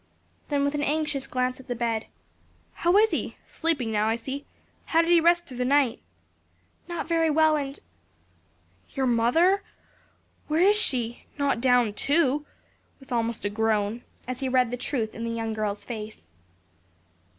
Then with an anxious glance at the bed "How is he? sleeping now, I see. How did he rest through the night?" "Not very well, and " "Your mother? where is she? not down too?" with almost a groan, as he read the truth in the young girl's face.